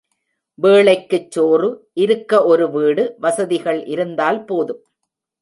வேளைக்குச் சோறு இருக்க ஒரு வீடு வசதிகள் இருந்தால் போதும்.